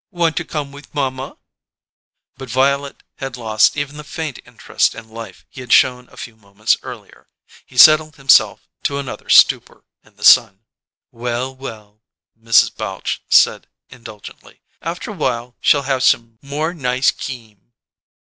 "Want to come with mamma?" But Violet had lost even the faint interest in life he had shown a few moments earlier. He settled himself to another stupor in the sun. "Well, well," Mrs. Balche said indulgently. "Afterwhile shall have some more nice keem."